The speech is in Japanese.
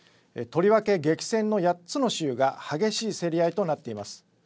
とりわけ激戦の８つの州が激しい競り合いとなっています。